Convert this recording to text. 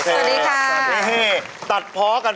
สวัสดีครับ